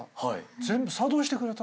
全部作動してくれた。